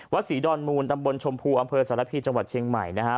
ศรีดอนมูลตำบลชมพูอำเภอสารพีจังหวัดเชียงใหม่นะฮะ